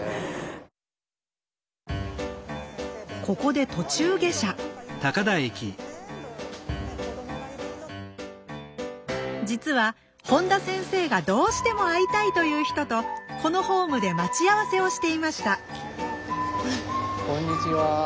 ここで途中下車実は本田先生がどうしても会いたいという人とこのホームで待ち合わせをしていましたこんにちは。